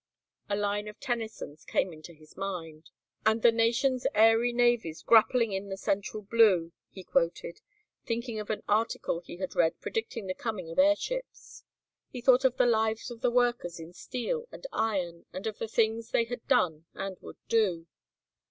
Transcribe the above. A line of Tennyson's came into his mind. "And the nation's airy navies grappling in the central blue," he quoted, thinking of an article he had read predicting the coming of airships. He thought of the lives of the workers in steel and iron and of the things they had done and would do.